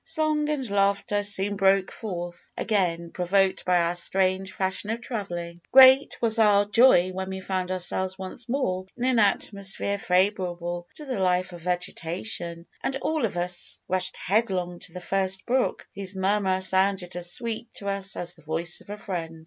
Song and laughter soon broke forth again, provoked by our strange fashion of travelling. Great was our joy when we found ourselves once more in an atmosphere favourable to the life of vegetation, and all of us rushed headlong to the first brook, whose murmur sounded as sweet to us as the voice of a friend.